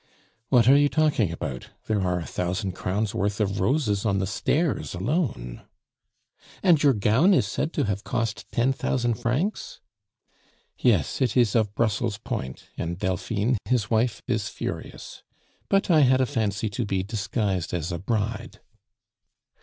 "What are you talking about? There are a thousand crowns' worth of roses on the stairs alone." "And your gown is said to have cost ten thousand francs?" "Yes, it is of Brussels point, and Delphine, his wife, is furious. But I had a fancy to be disguised as a bride."